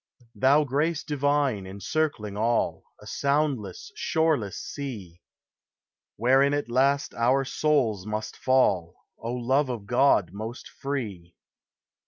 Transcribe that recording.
Thou Grace Divine, encircling all, A soundless, shoreless sea! Wherein at last our souls must fall, O Love of God most free!